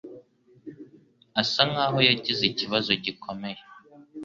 Asa nkaho yagize ikibazo gikomeye.